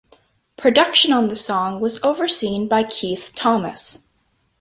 Production on the song was overseen by Keith Thomas.